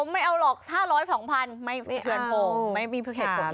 ไม่ใช่ผมผมแจกจริง